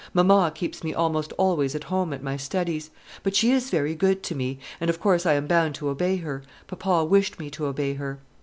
Mamma keeps me almost always at home at my studies; but she is very good to me, and of course I am bound to obey her; papa wished me to obey her."